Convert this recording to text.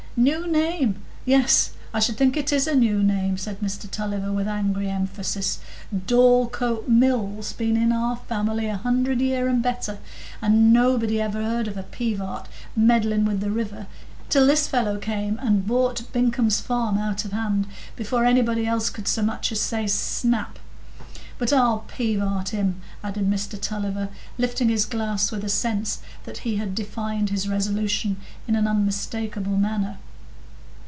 "New name? Yes, I should think it is a new name," said Mr Tulliver, with angry emphasis. "Dorlcote Mill's been in our family a hundred year and better, and nobody ever heard of a Pivart meddling with the river, till this fellow came and bought Bincome's farm out of hand, before anybody else could so much as say 'snap.' But I'll Pivart him!" added Mr Tulliver, lifting his glass with a sense that he had defined his resolution in an unmistakable manner.